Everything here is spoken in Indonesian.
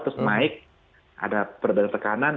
terus naik ada perbedaan tekanan